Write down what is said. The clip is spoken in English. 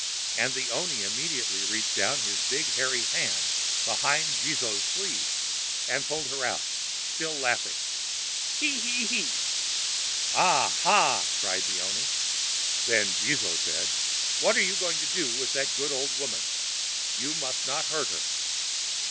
_"—and the oni immediately reached down his big hairy hand behind Jizō's sleeve, and pulled her out—still laughing, "Te he he!" "Ah! ha!" cried the oni. Then Jizō said: "What are you going to do with that good old woman? You must not hurt her."